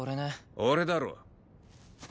俺だろ。